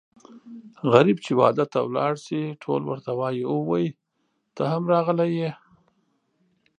غريب چې واده ته لاړ شي ټول ورته وايي اووی ته هم راغلی یې.